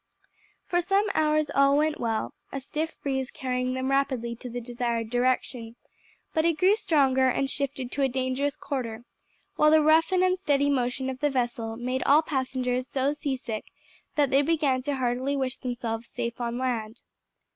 For some hours all went well, a stiff breeze carrying them rapidly in the desired direction; but it grew stronger and shifted to a dangerous quarter, while the rough and unsteady motion of the vessel made all the passengers so sea sick that they began to heartily wish themselves safe on land.